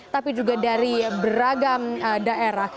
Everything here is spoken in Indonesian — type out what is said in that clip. tapi juga dari beragam daerah